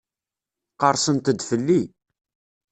Qerrsent-d fell-i.